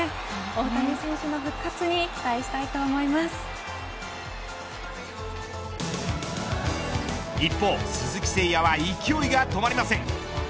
大谷選手の復活に一方、鈴木誠也は勢いが止まりません。